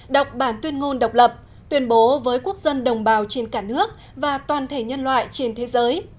đọc bản tuyên ngôn độc lập tuyên bố với quốc dân đồng bào trên cả nước và toàn thể nhân loại trên thế giới